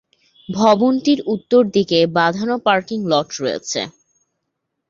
ভবনটির উত্তরদিকে বাঁধানো parking lot রয়েছে।